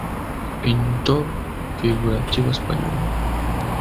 Pintor figurativo español.